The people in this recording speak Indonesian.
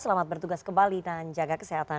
selamat bertugas kembali dan jaga kesehatan